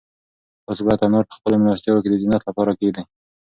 تاسو باید انار په خپلو مېلمستیاوو کې د زینت لپاره کېږدئ.